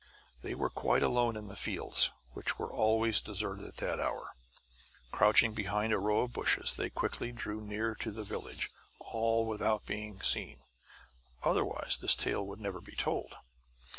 They were quite alone in the fields, which were always deserted at that hour. Crouching behind a row of bushes, they quickly drew near to the village, all without being seen. Otherwise, this tale would never be told.